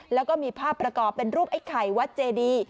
แล้วก็มีภาพประกอบเป็นรูปไอ้ไข่วัดเจดี